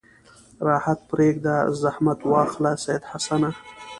راحت پرېږده زحمت واخله سید حسنه.